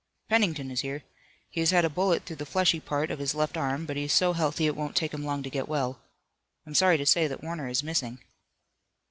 "Pennington is here. He has had a bullet through the fleshy part of his left arm, but he's so healthy it won't take him long to get well. I'm sorry to say that Warner is missing."